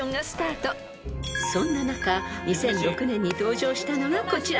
［そんな中２００６年に登場したのがこちら］